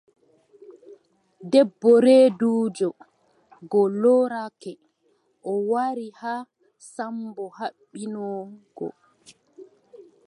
Debbo reeduujo go loorake, o wari haa Sammbo haɓɓino go.